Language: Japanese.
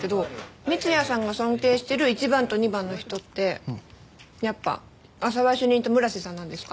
三ツ矢さんが尊敬してる１番と２番の人ってやっぱ浅輪主任と村瀬さんなんですか？